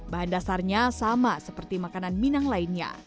bahan dasarnya sama seperti makanan minang lainnya